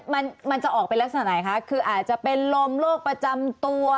มันมันจะออกเป็นลักษณะไหนคะคืออาจจะเป็นลมโรคประจำตัว